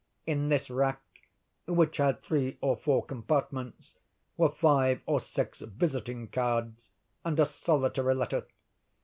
In this rack, which had three or four compartments, were five or six visiting cards and a solitary letter.